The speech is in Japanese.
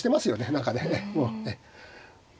何かね。